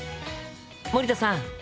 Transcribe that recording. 森田さん